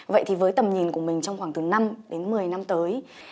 vậy thì với tầm nhìn của mình trong khoảng từ năm đến một mươi năm tới